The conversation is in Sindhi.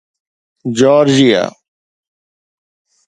جارجيا